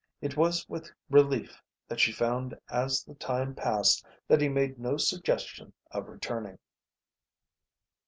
It was with relief that she found as the time passed that he made no suggestion of returning.